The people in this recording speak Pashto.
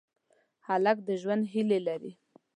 هلک د ژوند هیلې لري.